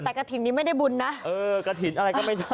แต่กระถิ่นนี่ไม่ได้บุญนะ